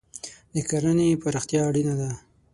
د کرهنې پراختیا اړینه ده.